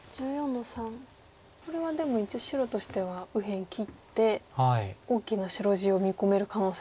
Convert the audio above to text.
これはでも一応白としては右辺切って大きな白地を見込める可能性が。